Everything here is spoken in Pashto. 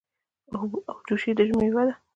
اوجوشي د ژمي مېوه ده.